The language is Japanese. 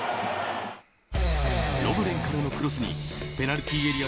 ロヴレンからのクロスにペナルティーエリア